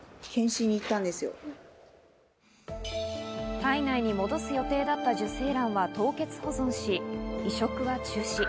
体外に戻す予定だった受精卵は凍結保存し、移植は中止。